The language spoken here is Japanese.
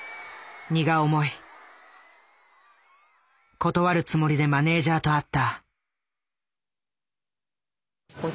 断るつもりでマネージャーと会った。